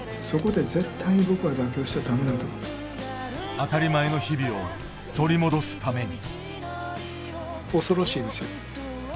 当たり前の日々を取り戻すために。